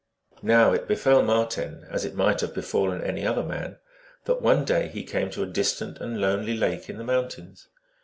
Now it befell Marten, as it might have befallen any other man, that one day he came to a distant and lonely lake in the mountains.